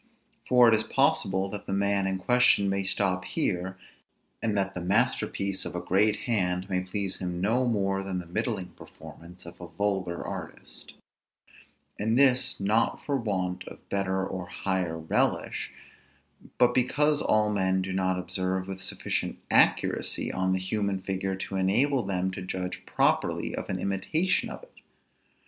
For it is possible that the man in question may stop here, and that the masterpiece of a great hand may please him no more than the middling performance of a vulgar artist; and this not for want of better or higher relish, but because all men do not observe with sufficient accuracy on the human figure to enable them to judge properly of an imitation of it.